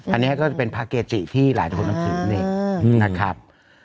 อันนี้ก็จะเป็นภาคเกจิที่หลายคนต้องถึงนะครับ